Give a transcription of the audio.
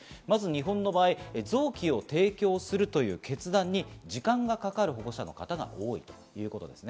日本の場合、臓器を提供するという決断に時間がかかる保護者の方が多いということです。